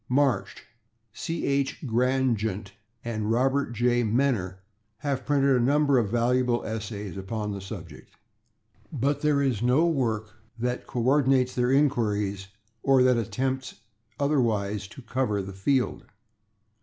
Marsh, C. H. Grandgent and Robert J. Menner have printed a number of valuable essays upon the subject, but there is no work that co ordinates their inquiries or that attempts otherwise to cover the field.